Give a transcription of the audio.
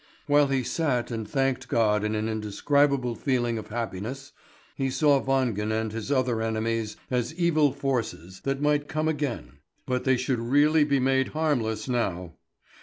While he sat and thanked God in an indescribable feeling of happiness, he saw Wangen and his other enemies as evil forces that might come again; but they should really be made harmless now.